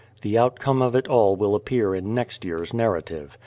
The outcome of it all will appear in next year's narrative.